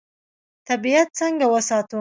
طبیعت څنګه وساتو؟